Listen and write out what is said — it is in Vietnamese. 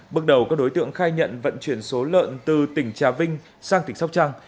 bước đầu các đối tượng khai nhận vận chuyển số lợn từ tỉnh trà vinh sang tỉnh sóc trăng